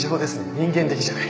人間的じゃない。